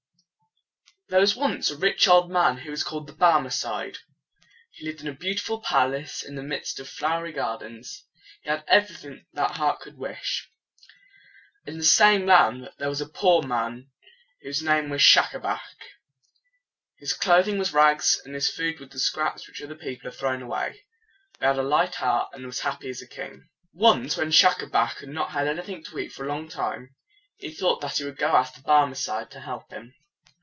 There was once a rich old man who was called the Bar me cide. He lived in a beautiful palace in the midst of flowery gardens. He had every thing that heart could wish. In the same land there was a poor man whose name was Schac a bac. His clothing was rags, and his food was the scraps which other people had thrown away. But he had a light heart, and was as happy as a king. Once when Schac a bac had not had anything to eat for a long time, he thought that he would go and ask the Bar me cide to help him.